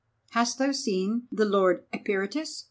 "Hast thou seen the Lord Eperitus?"